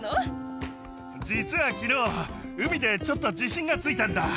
実はきのう、海でちょっと自信がついたんだ。